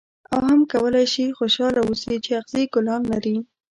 او هم کولای شې خوشاله اوسې چې اغزي ګلان لري.